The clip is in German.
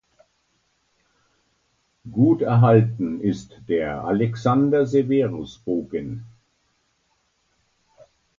Gut erhalten ist der Alexander-Severus-Bogen.